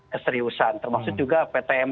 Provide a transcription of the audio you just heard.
keseriusan termasuk juga ptm